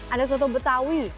ada suatu betawi